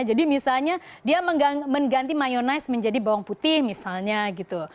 jadi misalnya dia mengganti mayonnaise menjadi bawang putih misalnya gitu